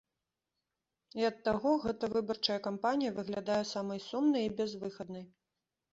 І ад таго гэта выбарчая кампанія выглядае самай сумнай і бязвыхаднай.